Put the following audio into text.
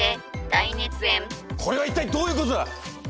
これは一体どういうことだ！？